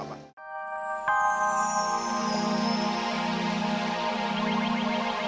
sampai jumpa lagi